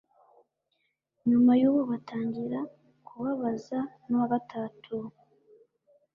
nyuma y'uwo batangira kubabaza n'uwa gatatu